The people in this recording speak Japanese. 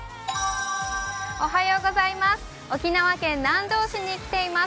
沖縄県南城市に来ています。